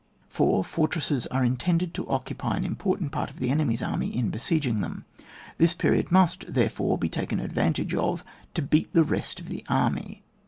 4. Fortresses are intended to occupy an important part of the enemy's army ia besieging them. This period must, there fore, be taken advantage of to beat the rest of the army.